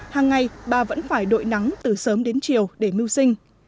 hàng ngày bà vẫn phải đội nắng từ sớm đến chiều để mưu sinh